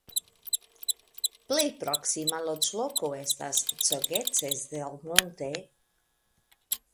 Plej proksima loĝloko estas Cogeces del Monte.